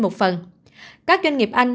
một phần các doanh nghiệp anh